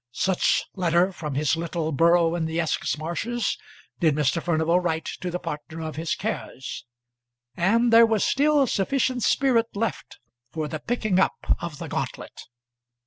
Such letter from his little borough in the Essex marshes did Mr. Furnival write to the partner of his cares, and there was still sufficient spirit left for the picking up of the gauntlet.